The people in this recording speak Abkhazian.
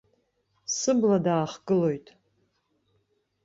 Сыбла даахгылоит.